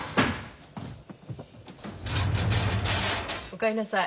・お帰りなさい。